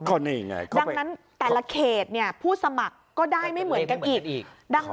ดังนั้นแต่ละเขตผู้สมัครก็ได้ไม่เหมือนกันอีก